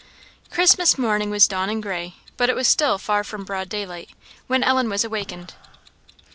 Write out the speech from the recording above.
Christmas morning was dawning gray, but it was still far from broad daylight, when Ellen was awakened.